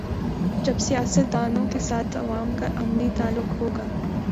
جب سیاست دانوں کے ساتھ عوام کا عملی تعلق ہو گا۔